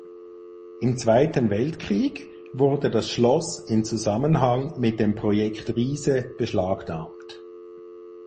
Im Zweiten Weltkrieg wurde das Schloss in Zusammenhang mit dem Projekt Riese beschlagnahmt.